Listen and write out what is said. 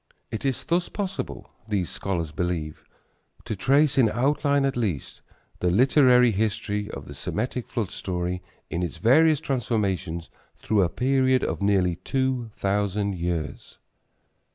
It is thus possible, these scholars believe, to trace, in outline at least, the literary history of the Semitic flood story in its various transformations through a period of nearly two thousand years.